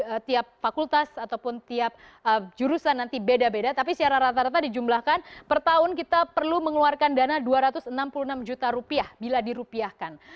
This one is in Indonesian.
setiap fakultas ataupun tiap jurusan nanti beda beda tapi secara rata rata dijumlahkan per tahun kita perlu mengeluarkan dana dua ratus enam puluh enam juta rupiah bila dirupiahkan